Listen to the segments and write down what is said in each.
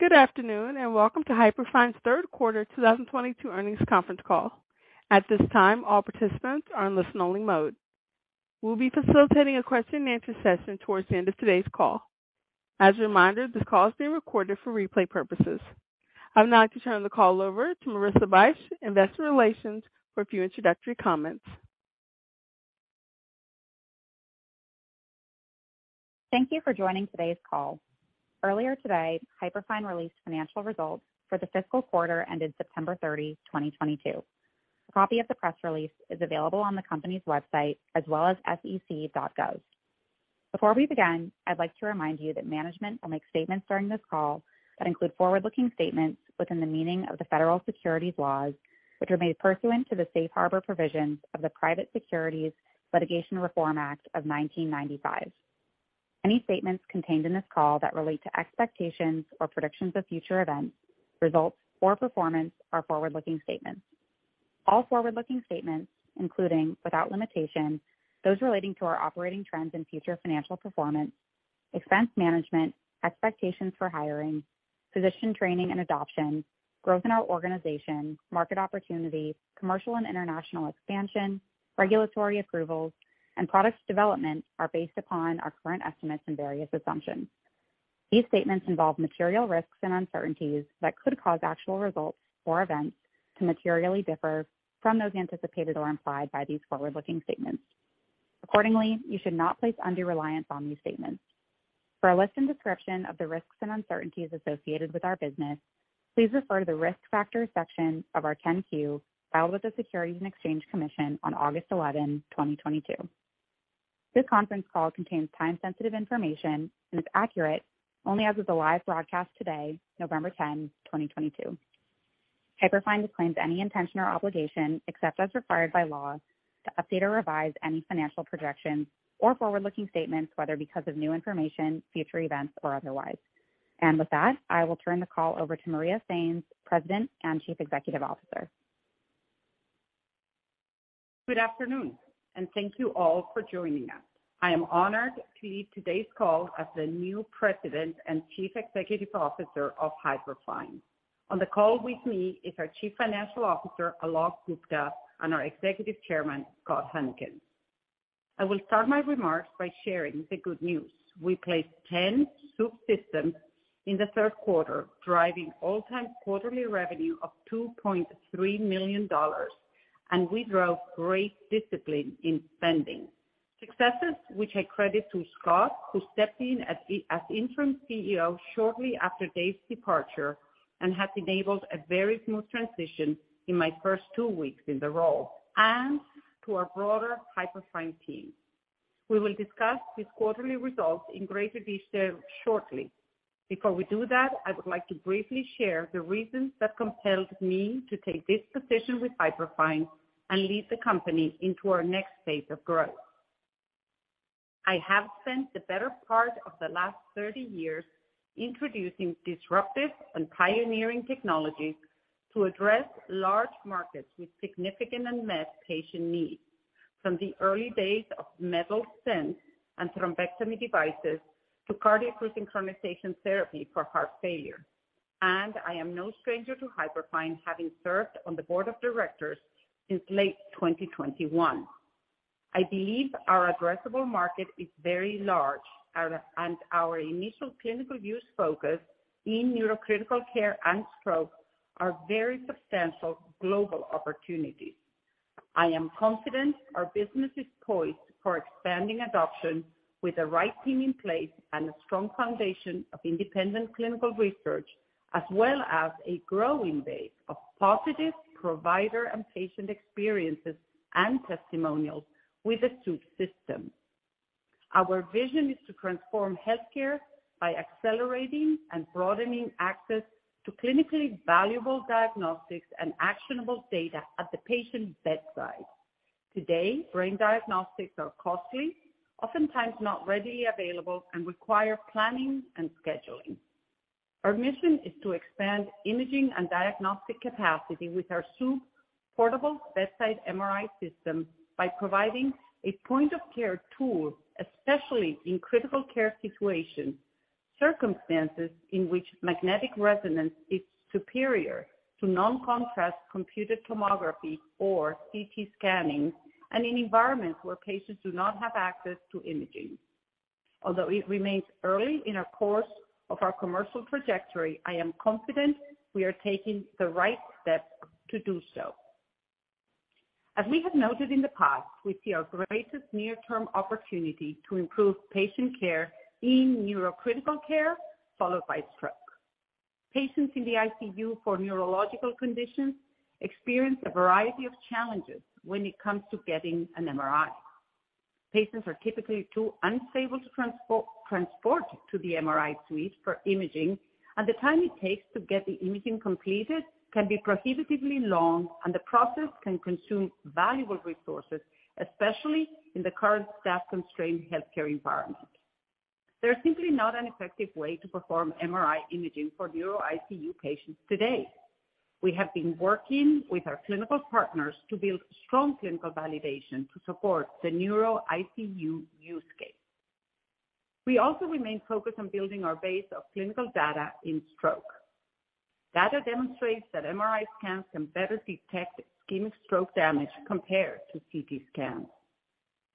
Good afternoon, and welcome to Hyperfine's Third Quarter 2022 Earnings Conference Call. At this time, all participants are in listen only mode. We'll be facilitating a question and answer session towards the end of today's call. As a reminder, this call is being recorded for replay purposes. I'd now like to turn the call over to Marissa Bych, Investor Relations, for a few introductory comments. Thank you for joining today's call. Earlier today, Hyperfine released financial results for the fiscal quarter ended September 30, 2022. A copy of the press release is available on the company's website as well as sec.gov. Before we begin, I'd like to remind you that management will make statements during this call that include forward-looking statements within the meaning of the federal securities laws, which are made pursuant to the safe harbor provisions of the Private Securities Litigation Reform Act of 1995. Any statements contained in this call that relate to expectations or predictions of future events, results or performance are forward-looking statements. All forward-looking statements, including, without limitation, those relating to our operating trends and future financial performance, expense management, expectations for hiring, physician training and adoption, growth in our organization, market opportunity, commercial and international expansion, regulatory approvals, and products development are based upon our current estimates and various assumptions. These statements involve material risks and uncertainties that could cause actual results or events to materially differ from those anticipated or implied by these forward-looking statements. Accordingly, you should not place undue reliance on these statements. For a list and description of the risks and uncertainties associated with our business, please refer to the Risk Factors section of our 10-Q filed with the Securities and Exchange Commission on August 11, 2022. This conference call contains time-sensitive information and is accurate only as of the live broadcast today, November 10, 2022. Hyperfine disclaims any intention or obligation, except as required by law, to update or revise any financial projections or forward-looking statements, whether because of new information, future events or otherwise. With that, I will turn the call over to Maria Sainz, President and Chief Executive Officer. Good afternoon, and thank you all for joining us. I am honored to lead today's call as the new president and chief executive officer of Hyperfine. On the call with me is our chief financial officer, Alok Gupta, and our executive chairman, Scott Huennekens. I will start my remarks by sharing the good news. We placed 10 Swoop systems in the third quarter, driving all-time quarterly revenue of $2.3 million, and we drove great discipline in spending. Successes which I credit to Scott, who stepped in as interim CEO shortly after David departure and has enabled a very smooth transition in my first two weeks in the role, and to our broader Hyperfine team. We will discuss these quarterly results in greater detail shortly. Before we do that, I would like to briefly share the reasons that compelled me to take this position with Hyperfine and lead the company into our next phase of growth. I have spent the better part of the last 30 years introducing disruptive and pioneering technologies to address large markets with significant unmet patient needs, from the early days of metal stents and thrombectomy devices to cardiac resynchronization therapy for heart failure. I am no stranger to Hyperfine, having served on the board of directors since late 2021. I believe our addressable market is very large, and our initial clinical use focus in neurocritical care and stroke are very substantial global opportunities. I am confident our business is poised for expanding adoption with the right team in place and a strong foundation of independent clinical research as well as a growing base of positive provider and patient experiences and testimonials with the Swoop system. Our vision is to transform healthcare by accelerating and broadening access to clinically valuable diagnostics and actionable data at the patient's bedside. Today, brain diagnostics are costly, oftentimes not readily available, and require planning and scheduling. Our mission is to expand imaging and diagnostic capacity with our Swoop portable bedside MRI system by providing a point of care tool, especially in critical care situations, circumstances in which magnetic resonance is superior to non-contrast computed tomography or CT scanning, and in environments where patients do not have access to imaging. Although it remains early in the course of our commercial trajectory, I am confident we are taking the right steps to do so. As we have noted in the past, we see our greatest near-term opportunity to improve patient care in neurocritical care followed by stroke. Patients in the ICU for neurological conditions experience a variety of challenges when it comes to getting an MRI. Patients are typically too unstable to transport to the MRI suite for imaging, and the time it takes to get the imaging completed can be prohibitively long, and the process can consume valuable resources, especially in the current staff-constrained healthcare environment. There's simply not an effective way to perform MRI imaging for Neuro ICU patients today. We have been working with our clinical partners to build strong clinical validation to support the Neuro ICU use case. We also remain focused on building our base of clinical data in stroke. Data demonstrates that MRI scans can better detect ischemic stroke damage compared to CT scans,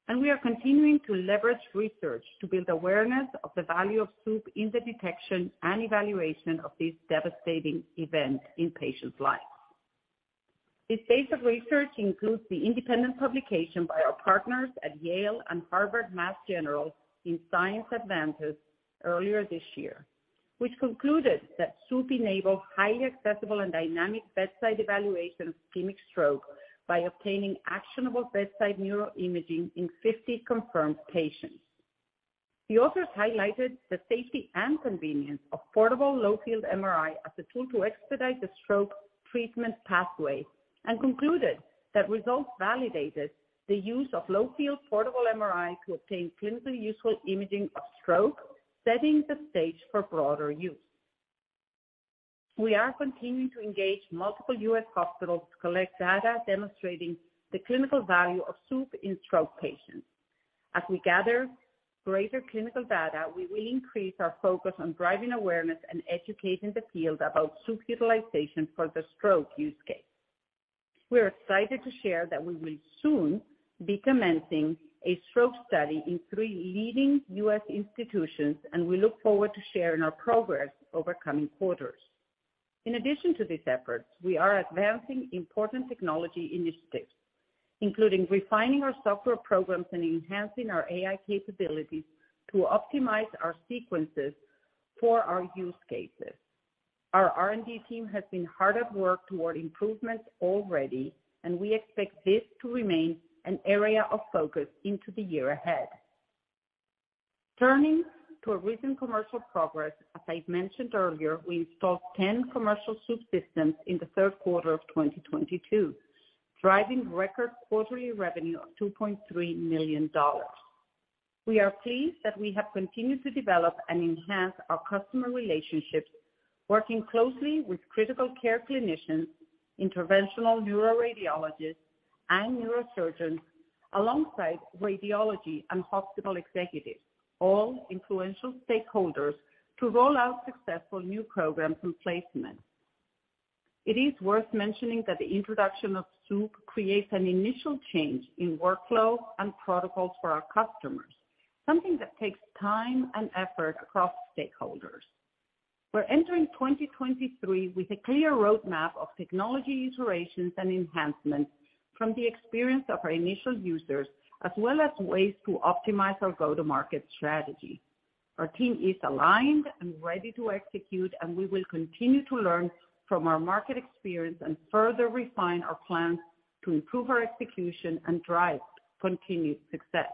and we are continuing to leverage research to build awareness of the value of Swoop in the detection and evaluation of this devastating event in patients' lives. This phase of research includes the independent publication by our partners at Yale and Massachusetts General Hospital in Science Advances earlier this year, which concluded that Swoop enabled highly accessible and dynamic bedside evaluation of ischemic stroke by obtaining actionable bedside neuro imaging in 50 confirmed patients. The authors highlighted the safety and convenience of portable low-field MRI as a tool to expedite the stroke treatment pathway and concluded that results validated the use of low-field portable MRI to obtain clinically useful imaging of stroke, setting the stage for broader use. We are continuing to engage multiple U.S. hospitals to collect data demonstrating the clinical value of Swoop in stroke patients. As we gather greater clinical data, we will increase our focus on driving awareness and educating the field about Swoop utilization for the stroke use case. We are excited to share that we will soon be commencing a stroke study in three leading U.S. institutions, and we look forward to sharing our progress over coming quarters. In addition to these efforts, we are advancing important technology initiatives, including refining our software programs and enhancing our AI capabilities to optimize our sequences for our use cases. Our R&D team has been hard at work toward improvements already, and we expect this to remain an area of focus into the year ahead. Turning to our recent commercial progress, as I've mentioned earlier, we installed 10 commercial Swoop systems in the third quarter of 2022, driving record quarterly revenue of $2.3 million. We are pleased that we have continued to develop and enhance our customer relationships, working closely with critical care clinicians, interventional neuroradiologists, and neurosurgeons alongside radiology and hospital executives, all influential stakeholders, to roll out successful new programs and placements. It is worth mentioning that the introduction of Swoop creates an initial change in workflow and protocols for our customers, something that takes time and effort across stakeholders. We're entering 2023 with a clear roadmap of technology iterations and enhancements from the experience of our initial users, as well as ways to optimize our go-to-market strategy. Our team is aligned and ready to execute, and we will continue to learn from our market experience and further refine our plans to improve our execution and drive continued success.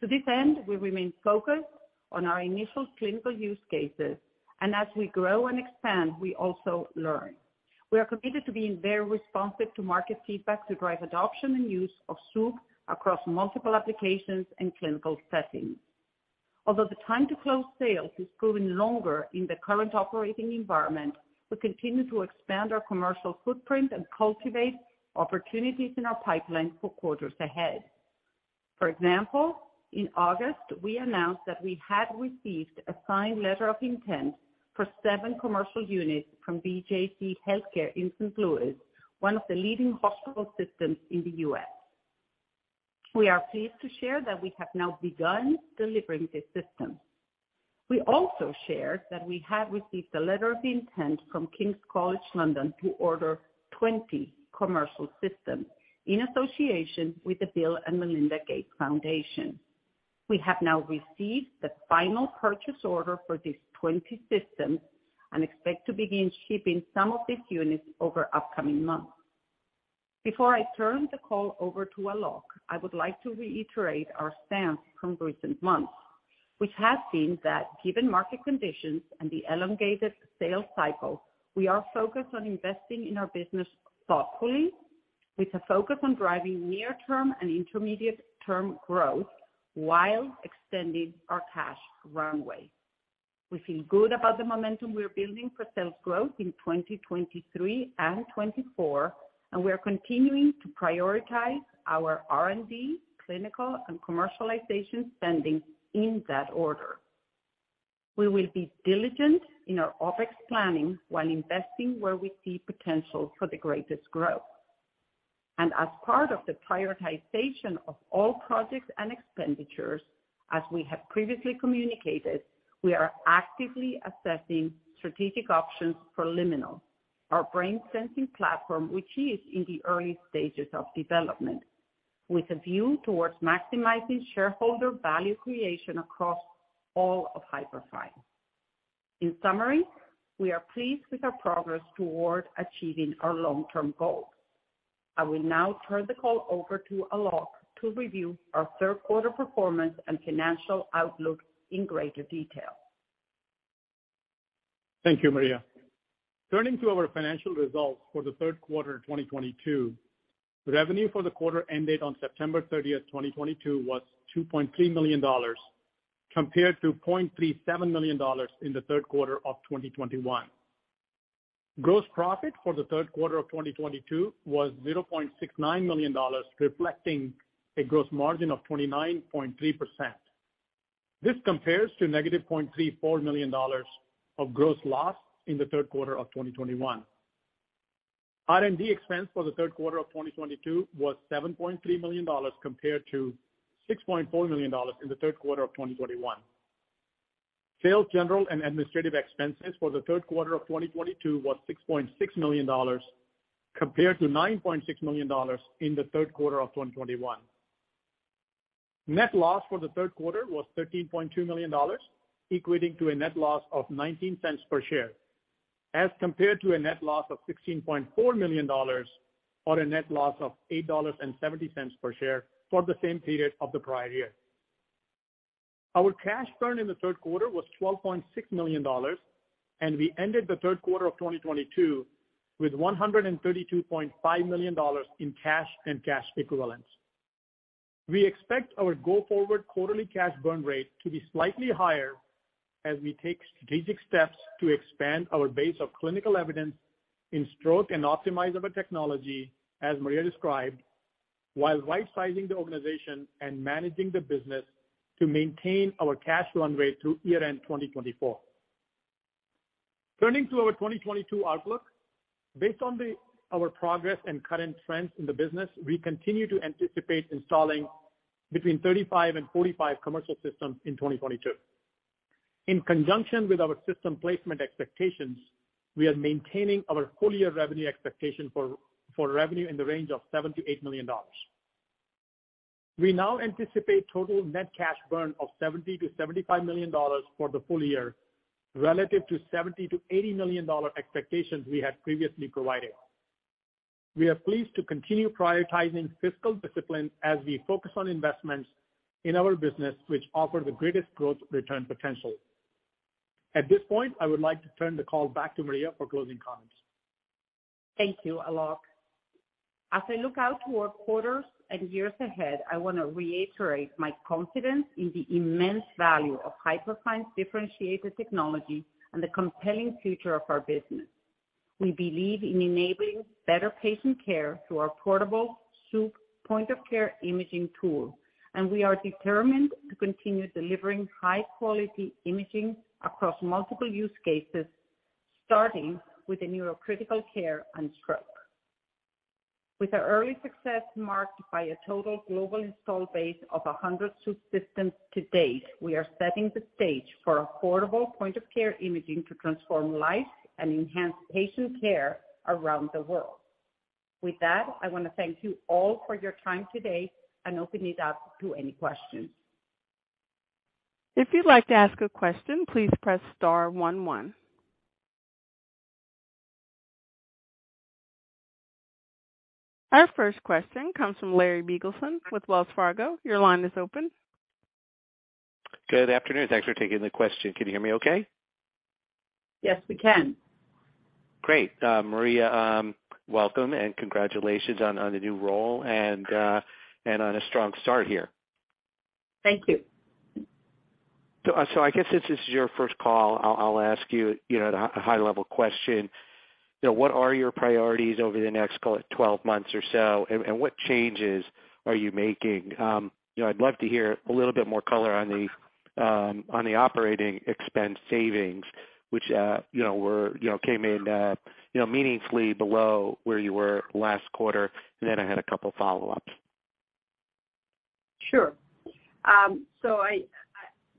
To this end, we remain focused on our initial clinical use cases, and as we grow and expand, we also learn. We are committed to being very responsive to market feedback to drive adoption and use of Swoop across multiple applications and clinical settings. Although the time to close sales has proven longer in the current operating environment, we continue to expand our commercial footprint and cultivate opportunities in our pipeline for quarters ahead. For example, in August, we announced that we had received a signed letter of intent for seven commercial units from BJC HealthCare in St. Louis, one of the leading hospital systems in the U.S. We are pleased to share that we have now begun delivering these systems. We also shared that we had received a letter of intent from King's College London to order 20 commercial systems in association with the Bill & Melinda Gates Foundation. We have now received the final purchase order for these 20 systems and expect to begin shipping some of these units over upcoming months. Before I turn the call over to Alok, I would like to reiterate our stance from recent months, which has been that given market conditions and the elongated sales cycle, we are focused on investing in our business thoughtfully with a focus on driving near-term and intermediate-term growth while extending our cash runway. We feel good about the momentum we are building for sales growth in 2023 and 2024, and we are continuing to prioritize our R&D, clinical, and commercialization spending in that order. We will be diligent in our OpEx planning while investing where we see potential for the greatest growth. As part of the prioritization of all projects and expenditures, as we have previously communicated, we are actively assessing strategic options for Liminal, our brain sensing platform, which is in the early stages of development, with a view towards maximizing shareholder value creation across all of Hyperfine. In summary, we are pleased with our progress toward achieving our long-term goals. I will now turn the call over to Alok to review our third quarter performance and financial outlook in greater detail. Thank you, Maria. Turning to our financial results for the third quarter of 2022, revenue for the quarter ended on September 30th, 2022 was $2.3 million. Compared to $0.37 million in the third quarter of 2021. Gross profit for the third quarter of 2022 was $0.69 million, reflecting a gross margin of 29.3%. This compares to -$0.34 million of gross loss in the third quarter of 2021. R&D expense for the third quarter of 2022 was $7.3 million compared to $6.4 million in the third quarter of 2021. Sales, general, and administrative expenses for the third quarter of 2022 was $6.6 million compared to $9.6 million in the third quarter of 2021. Net loss for the third quarter was $13.2 million, equating to a net loss of $0.19 per share, as compared to a net loss of $16.4 million or a net loss of $8.70 per share for the same period of the prior year. Our cash burn in the third quarter was $12.6 million, and we ended the third quarter of 2022 with $132.5 million in cash and cash equivalents. We expect our go-forward quarterly cash burn rate to be slightly higher as we take strategic steps to expand our base of clinical evidence in stroke and optimize our technology, as Maria described, while rightsizing the organization and managing the business to maintain our cash runway through year-end 2024. Turning to our 2022 outlook, based on our progress and current trends in the business, we continue to anticipate installing between 35 and 45 commercial systems in 2022. In conjunction with our system placement expectations, we are maintaining our full-year revenue expectation for revenue in the range of $7 million-$8 million. We now anticipate total net cash burn of $70 million-$75 million for the full year, relative to $70 million-$80 million expectations we had previously provided. We are pleased to continue prioritizing fiscal discipline as we focus on investments in our business which offer the greatest growth return potential. At this point, I would like to turn the call back to Maria for closing comments. Thank you, Alok. As I look out to our quarters and years ahead, I want to reiterate my confidence in the immense value of Hyperfine's differentiated technology and the compelling future of our business. We believe in enabling better patient care through our portable Swoop point-of-care imaging tool, and we are determined to continue delivering high-quality imaging across multiple use cases, starting with the neurocritical care and stroke. With our early success marked by a total global install base of 100 Swoop systems to date, we are setting the stage for affordable point of care imaging to transform lives and enhance patient care around the world. With that, I want to thank you all for your time today and open it up to any questions. If you'd like to ask a question, please press star one. Our first question comes from Larry Biegelsen with Wells Fargo. Your line is open. Good afternoon. Thanks for taking the question. Can you hear me okay? Yes, we can. Great. Maria, welcome and congratulations on the new role and on a strong start here. Thank you. I guess since this is your first call, I'll ask you know, the high level question. You know, what are your priorities over the next, call it, 12 months or so? What changes are you making? You know, I'd love to hear a little bit more color on the operating expense savings, which came in meaningfully below where you were last quarter. I had a couple follow-ups. Sure.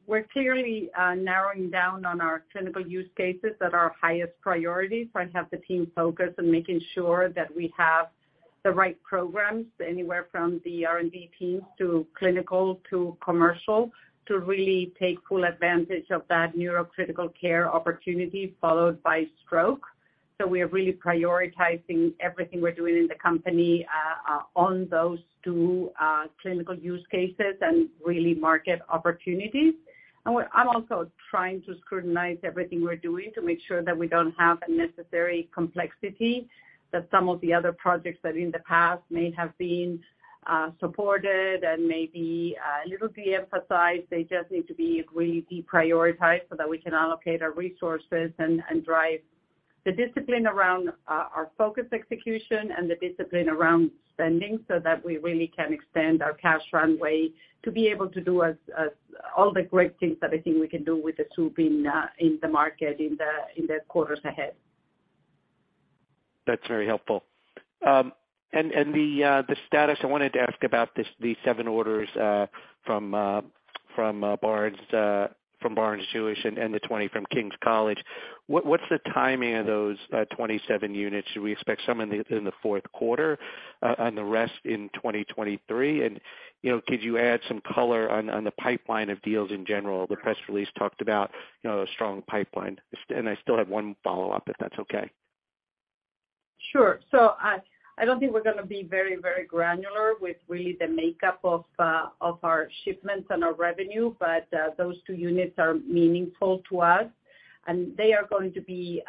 We're clearly narrowing down on our clinical use cases that are our highest priority. I have the team focused on making sure that we have the right programs, anywhere from the R&D teams to clinical to commercial, to really take full advantage of that neurocritical care opportunity, followed by stroke. We are really prioritizing everything we're doing in the company, on those two clinical use cases and really market opportunities. I'm also trying to scrutinize everything we're doing to make sure that we don't have unnecessary complexity, that some of the other projects that in the past may have been supported and maybe a little de-emphasized. They just need to be really deprioritized so that we can allocate our resources and drive the discipline around our focus execution and the discipline around spending so that we really can extend our cash runway to be able to do all the great things that I think we can do with the Swoop in the market in the quarters ahead. That's very helpful. And the status I wanted to ask about these seven orders from Barnes-Jewish and the 20 from King's College. What's the timing of those 27 units? Should we expect some in the fourth quarter and the rest in 2023? And you know, could you add some color on the pipeline of deals in general? The press release talked about, you know, a strong pipeline. Just and I still have one follow-up, if that's okay. Sure. I don't think we're gonna be very granular with really the makeup of our shipments and our revenue, but those two units are meaningful to us, and they are going to be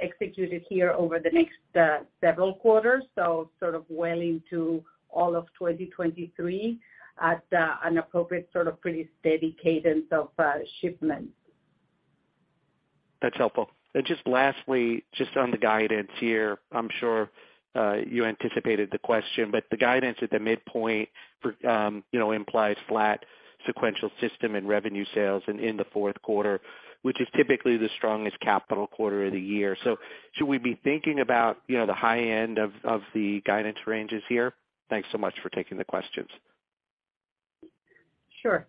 executed here over the next several quarters, so sort of well into all of 2023 at an appropriate sort of pretty steady cadence of shipments. That's helpful. Just lastly, just on the guidance here, I'm sure you anticipated the question, but the guidance at the midpoint for you know implies flat sequential system and revenue sales and in the fourth quarter, which is typically the strongest capital quarter of the year. Should we be thinking about you know the high end of the guidance ranges here? Thanks so much for taking the questions. Sure.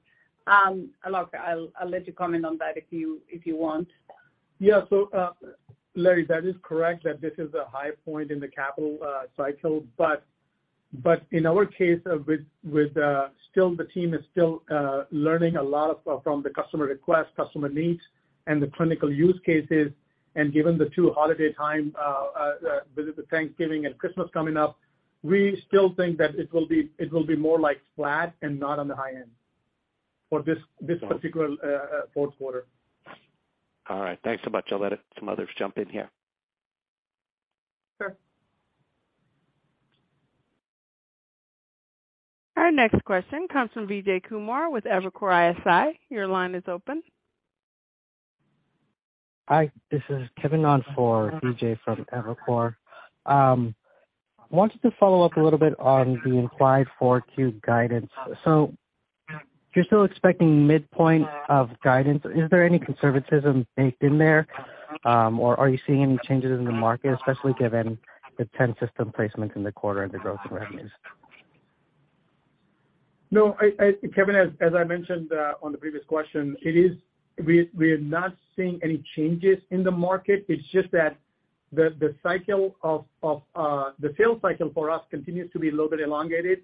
Alok, I'll let you comment on that if you want. Yeah. Larry, that is correct that this is a high point in the capital cycle. But in our case, with the team still learning a lot from the customer requests, customer needs, and the clinical use cases, and given the two holiday time with Thanksgiving and Christmas coming up, we still think that it will be more like flat and not on the high end for this particular fourth quarter. All right. Thanks so much. I'll let some others jump in here. Sure. Our next question comes from Vijay Kumar with Evercore ISI. Your line is open. Hi, this is Kevin on for Vijay Kumar from Evercore ISI. Wanted to follow up a little bit on the implied Q4 guidance. You're still expecting midpoint of guidance. Is there any conservatism baked in there? Or are you seeing any changes in the market, especially given the 10 system placements in the quarter and the growth in revenues? No, Kevin, as I mentioned on the previous question, we are not seeing any changes in the market. It's just that the cycle of the sales cycle for us continues to be a little bit elongated,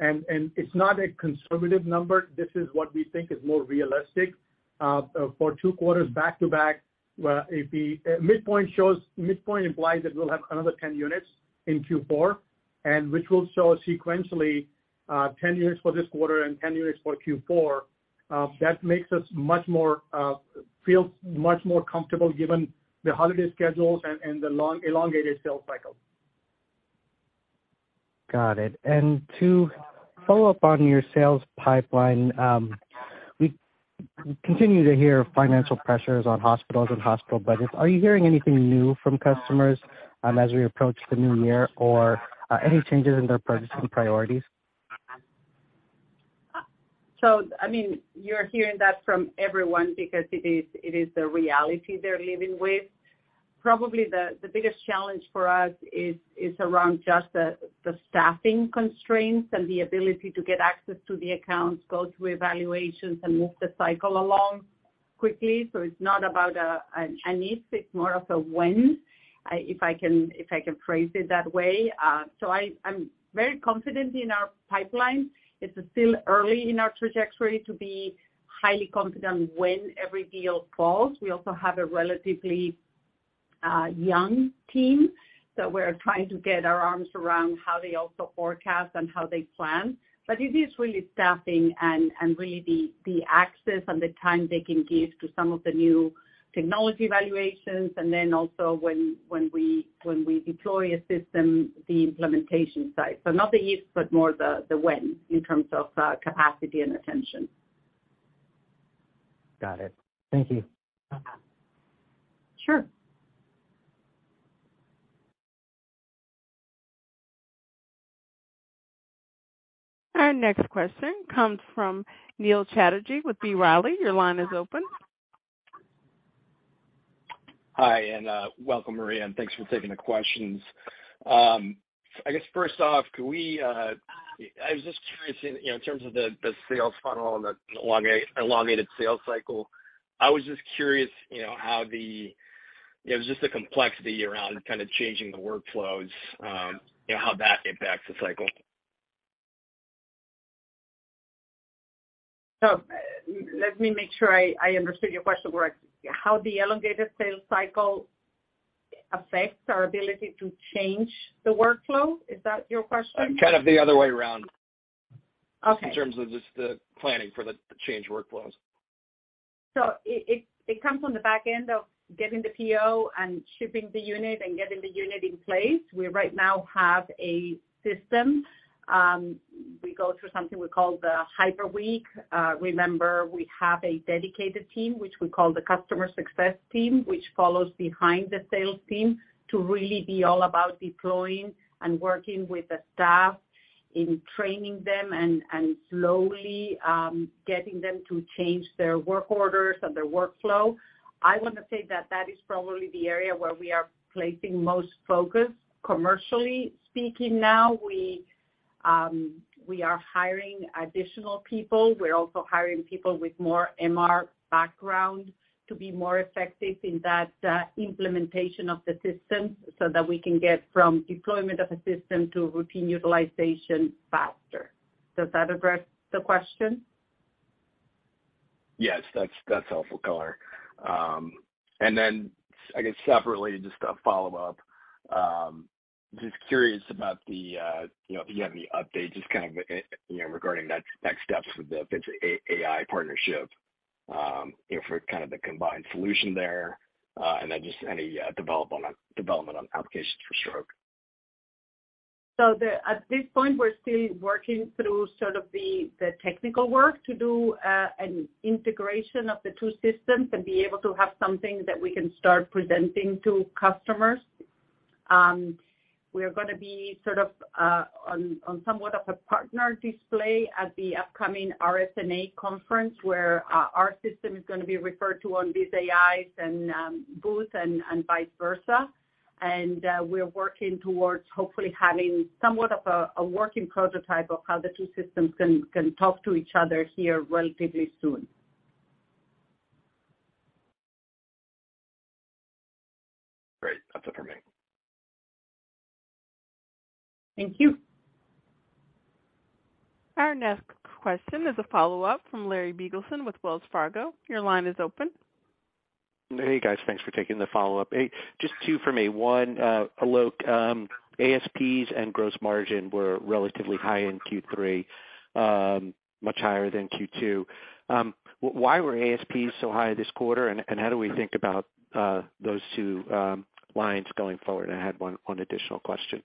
and it's not a conservative number. This is what we think is more realistic for two quarters back-to-back. Midpoint implies that we'll have another 10 units in Q4 and which will show sequentially 10 units for this quarter and 10 units for Q4, that makes us feel much more comfortable given the holiday schedules and the long elongated sales cycle. Got it. To follow up on your sales pipeline, we continue to hear financial pressures on hospitals and hospital budgets. Are you hearing anything new from customers, as we approach the new year or, any changes in their purchasing priorities? I mean, you're hearing that from everyone because it is the reality they're living with. Probably the biggest challenge for us is around just the staffing constraints and the ability to get access to the accounts, go through evaluations, and move the cycle along quickly. It's not about an if, it's more of a when, if I can phrase it that way. I'm very confident in our pipeline. It's still early in our trajectory to be highly confident when every deal falls. We also have a relatively young team, so we're trying to get our arms around how they also forecast and how they plan. But it is really staffing and really the access and the time they can give to some of the new technology evaluations. Also when we deploy a system, the implementation side. Not the if, but more the when in terms of, capacity and attention. Got it. Thank you. Sure. Our next question comes from Neil Chatterjee with B. Riley. Your line is open. Hi, welcome, Maria, and thanks for taking the questions. I guess first off, can we, I was just curious in, you know, in terms of the sales funnel and the elongated sales cycle, I was just curious, you know, how the, you know, just the complexity around kind of changing the workflows, you know, how that impacts the cycle? Let me make sure I understood your question correct. How the elongated sales cycle affects our ability to change the workflow? Is that your question? Kind of the other way around. Okay. In terms of just the planning for the change workflows. It comes on the back end of getting the PO and shipping the unit and getting the unit in place. We right now have a system. We go through something we call the hyper week. Remember, we have a dedicated team, which we call the customer success team, which follows behind the sales team to really be all about deploying and working with the staff in training them and slowly getting them to change their work orders and their workflow. I want to say that is probably the area where we are placing most focus commercially speaking now. We are hiring additional people. We're also hiring people with more MR background to be more effective in that implementation of the system so that we can get from deployment of a system to routine utilization faster. Does that address the question? Yes, that's helpful color. I guess separately, just to follow up, just curious about the, you know, if you have any updates just kind of, you know, regarding next steps with the Viz.ai partnership, you know, for kind of the combined solution there. Just any development on applications for stroke. At this point, we're still working through sort of the technical work to do an integration of the two systems and be able to have something that we can start presenting to customers. We are gonna be sort of on somewhat of a partner display at the upcoming RSNA conference where our system is gonna be referred to on Viz.ai's and booth and vice versa. We're working towards hopefully having somewhat of a working prototype of how the two systems can talk to each other here relatively soon. Great. That's it for me. Thank you. Our next question is a follow-up from Larry Biegelsen with Wells Fargo. Your line is open. Hey, guys. Thanks for taking the follow-up. Hey, just two from me. One, Alok, ASPs and gross margin were relatively high in Q3, much higher than Q2. Why were ASPs so high this quarter? And how do we think about those two lines going forward? I had one additional question.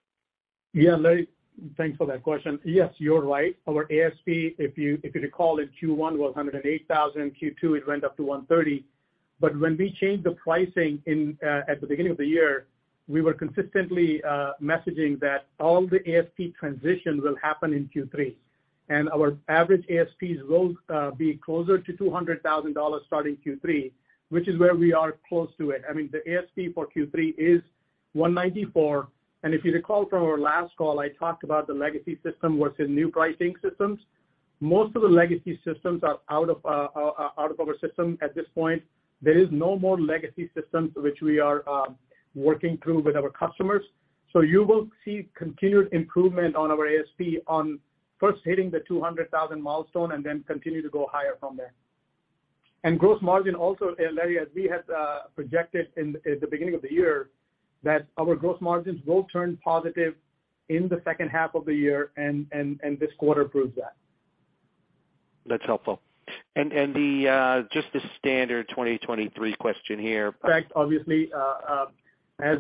Yeah. Larry, thanks for that question. Yes, you're right. Our ASP, if you recall in Q1 was $108,000, Q2 it went up to $130,000. When we changed the pricing at the beginning of the year, we were consistently messaging that all the ASP transition will happen in Q3. Our average ASPs will be closer to $200,000 starting Q3, which is where we are close to it. I mean, the ASP for Q3 is $194,000. If you recall from our last call, I talked about the legacy system versus new pricing systems. Most of the legacy systems are out of our system at this point. There is no more legacy systems which we are working through with our customers. You will see continued improvement on our ASP on first hitting the $200,000 milestone and then continue to go higher from there. Gross margin also, Larry, as we had projected at the beginning of the year, that our gross margins will turn positive in the second half of the year and this quarter proves that. That's helpful. Just the standard 2023 question here. In fact, obviously, as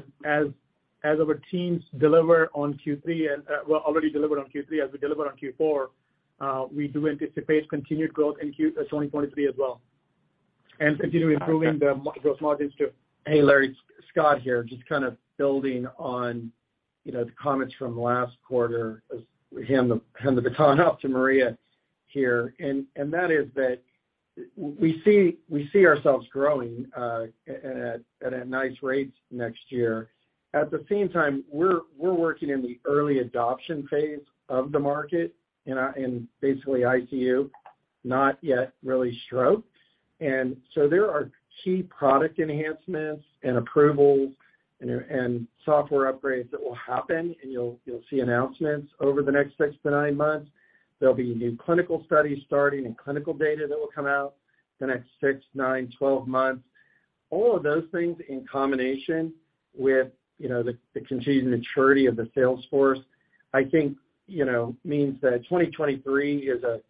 our teams deliver on Q3 and, well, already delivered on Q3, as we deliver on Q4, we do anticipate continued growth in Q4 2023 as well, and continue improving the gross margins too. Hey, Larry, it's Scott here. Just kind of building on, you know, the comments from last quarter as we hand the baton out to Maria Sainz here. That is that we see ourselves growing at a nice rate next year. At the same time, we're working in the early adoption phase of the market in basically ICU, not yet really stroke. There are key product enhancements and approvals and software upgrades that will happen, and you'll see announcements over the next 6-9 months. There'll be new clinical studies starting and clinical data that will come out the next 6, 9, 12 months. All of those things in combination with, you know, the continued maturity of the sales force, I think, you know, means that 2023 is a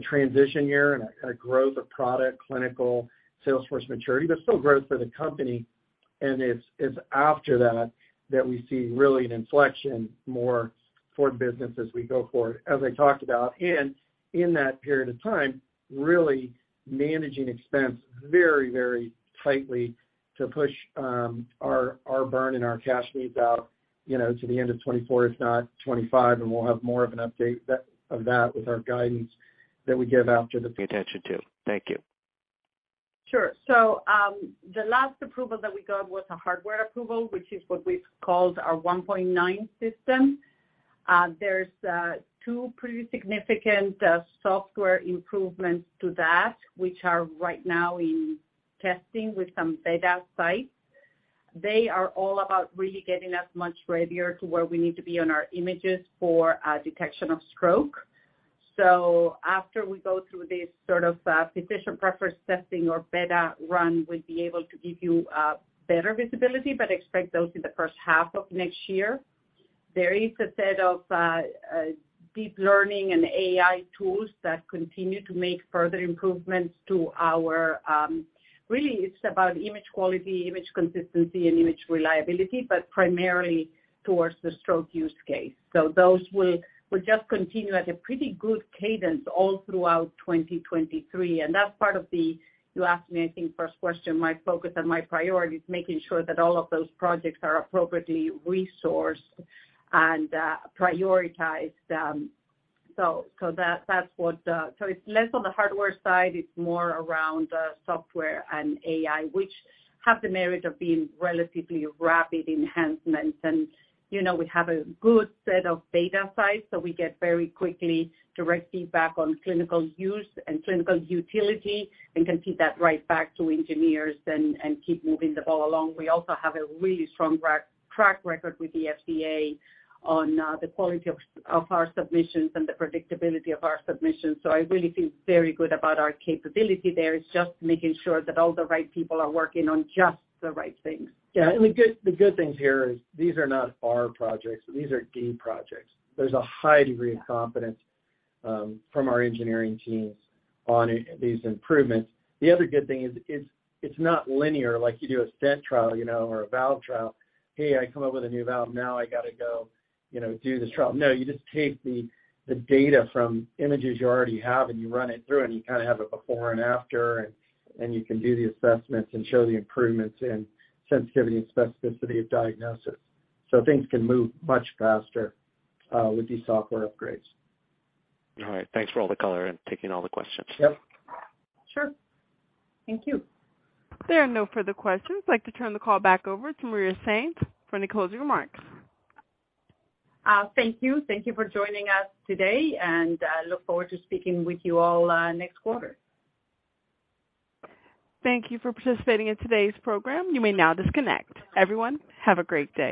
transition year and a growth of product, clinical, sales force maturity, but still growth for the company. It's after that we see really an inflection more for the business as we go forward, as I talked about. In that period of time, really managing expense very, very tightly to push our burn and our cash needs out, you know, to the end of 2024, if not 2025, and we'll have more of an update of that with our guidance that we give out to the Pay attention to. Thank you. Sure. The last approval that we got was a hardware approval, which is what we've called our 1.9 system. There's two pretty significant software improvements to that, which are right now in testing with some beta sites. They are all about really getting us much readier to where we need to be on our images for detection of stroke. After we go through this sort of physician preference testing or beta run, we'll be able to give you better visibility, but expect those in the first half of next year. There is a set of deep learning and AI tools that continue to make further improvements to our. Really it's about image quality, image consistency, and image reliability, but primarily towards the stroke use case. Those will just continue at a pretty good cadence all throughout 2023. That's part of the, you asked me, I think, first question, my focus and my priorities, making sure that all of those projects are appropriately resourced and prioritized. It's less on the hardware side, it's more around software and AI, which have the merit of being relatively rapid enhancements. You know, we have a good set of beta sites, so we get very quickly direct feedback on clinical use and clinical utility and can feed that right back to engineers and keep moving the ball along. We also have a really strong track record with the FDA on the quality of our submissions and the predictability of our submissions. I really feel very good about our capability there. It's just making sure that all the right people are working on just the right things. Yeah. The good thing here is these are not our projects. These are deep projects. There's a high degree of confidence from our engineering teams on these improvements. The other good thing is, it's not linear like you do a stent trial, you know, or a valve trial. "Hey, I come up with a new valve, now I gotta go, you know, do this trial." No, you just take the data from images you already have, and you run it through, and you kinda have a before and after, and you can do the assessments and show the improvements in sensitivity and specificity of diagnosis. Things can move much faster with these software upgrades. All right. Thanks for all the color and taking all the questions. Yep. Sure. Thank you. There are no further questions. I'd like to turn the call back over to Maria Sainz for any closing remarks. Thank you. Thank you for joining us today, and I look forward to speaking with you all, next quarter. Thank you for participating in today's program. You may now disconnect. Everyone, have a great day.